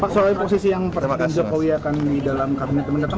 pak soal posisi yang jokowi akan di dalam kabinet mendatang